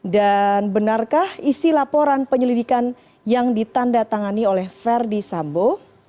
dan benarkah isi laporan penyelidikan yang ditanda tangani oleh verdi sambo